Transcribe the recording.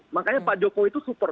makanya pak jokowi itu super